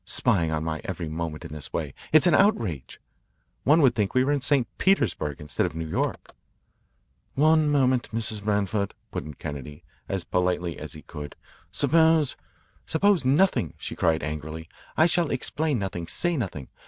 Spying on my every movement in this way it is an outrage! One would think we were in St. Petersburg instead of New York." "One moment, Mrs. Branford," put in Kennedy, as politely as he could. "Suppose " "Suppose nothing," she cried angrily. "I shall explain nothing, say nothing.